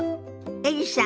エリさん